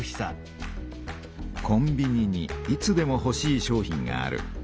コンビニにいつでもほしい商品がある。